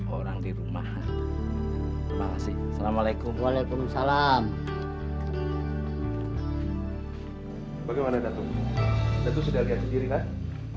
orang di rumah terima kasih assalamualaikum waalaikumsalam bagaimana datuk datuk sudah lihat sendiri kan